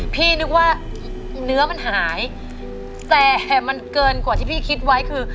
พี่นึกว่าเนื้อมันหายแต่มันเกินกว่าที่พี่คิดไว้คือ